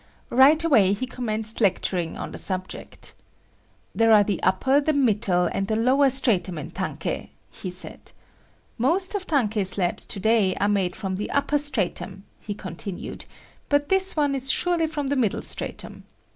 Right away he commenced lecturing on the subject. "There are the upper, the middle and the lower stratum in tankei," he said. "Most of tankei slabs to day are made from the upper stratum," he continued, "but this one is surely from the middle stratum.